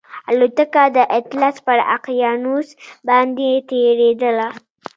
الوتکه د اطلس پر اقیانوس باندې تېرېدله